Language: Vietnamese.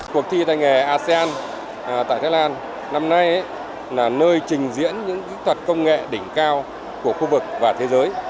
cuộc thi tay nghề asean tại thái lan năm nay là nơi trình diễn những kỹ thuật công nghệ đỉnh cao của khu vực và thế giới